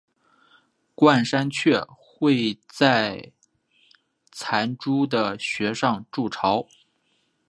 冠山雀会在残株的穴上筑巢。